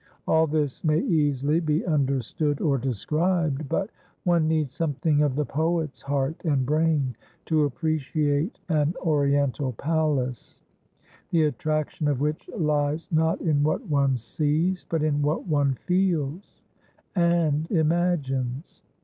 All this may easily be understood or described, but one needs something of the poet's heart and brain to appreciate an Oriental palace, the attraction of which lies not in what one sees, but in what one feels (and imagines?).